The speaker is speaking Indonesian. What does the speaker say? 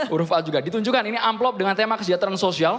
huruf a juga ditunjukkan ini amplop dengan tema kesejahteraan sosial